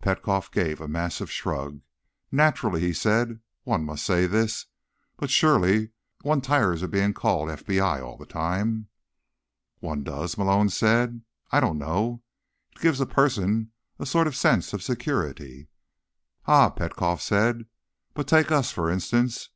Petkoff gave a massive shrug. "Naturally," he said, "one must say this. But surely, one tires of being called FBI all the time." "One does?" Malone said. "I don't know. It gives a person a sort of sense of security." "Ah," Petkoff said. "But take us, for instance.